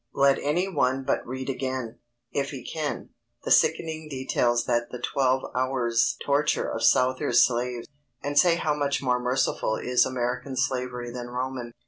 —Let any one but read again, if he can, the sickening details of that twelve hours' torture of Souther's slave, and say how much more merciful is American slavery than Roman.